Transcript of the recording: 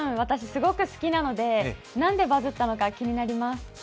すごく好きなので、なんでバズったのか気になります。